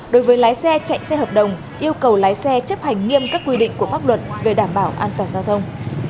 đối với lái xe chạy xe hợp đồng yêu cầu lái xe chấp hành nghiêm các quy định của pháp luật về đảm bảo an toàn giao thông